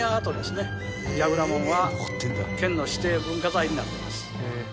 櫓門は県の指定文化財になっています。